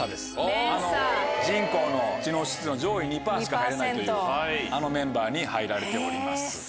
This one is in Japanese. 人口の知能指数の上位２％しか入れないというあのメンバーに入られております。